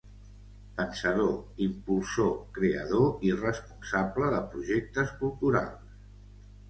Pensador, impulsor, creador i responsable de projectes culturals.